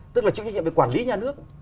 tức là chịu trách nhiệm về quản lý nhà nước